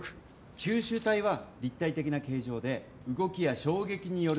吸収体は立体的な形状で動きや衝撃によるずれを防げるんです。